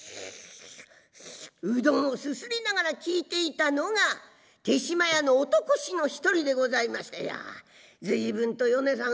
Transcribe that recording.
うどんをすすりながら聞いていたのが豊島屋の男衆の一人でございまして「いや随分と米さん